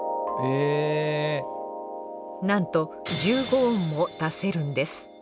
なんと１５音も出せるんです。